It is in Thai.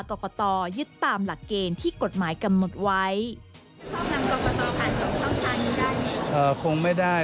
กรกตยึดตามหลักเกณฑ์ที่กฎหมายกำหนดไว้